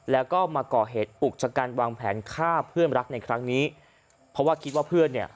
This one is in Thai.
แล้วก็มาก่อเหตุอุกชะกันวางแผนฆ่าเพื่อนรักในครั้งนี้เพราะว่าคิดว่าเพื่อนเนี่ย